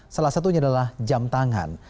salah satunya adalah jam tangan